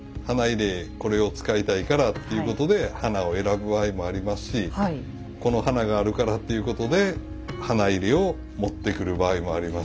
花入これを使いたいからっていうことで花を選ぶ場合もありますしこの花があるからっていうことで花入を持ってくる場合もありますし。